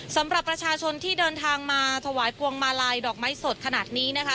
สำหรับประชาชนที่เดินทางมาถวายพวงมาลัยดอกไม้สดขนาดนี้นะคะ